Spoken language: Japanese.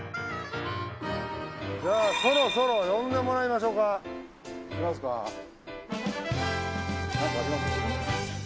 じゃあそろそろ呼んでもらいましょか。行きますか何かあります？